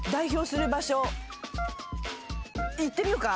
いってみようか。